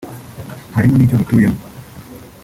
harimo n’icyo dutuyemo